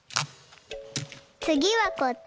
つぎはこっち。